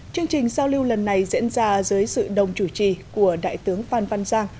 chương trình giao lưu lần này diễn ra dưới sự đồng chủ trì của đại tướng phan văn giang